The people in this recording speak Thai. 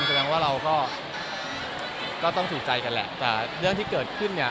แสดงว่าเราก็ต้องถูกใจกันแหละแต่เรื่องที่เกิดขึ้นเนี่ย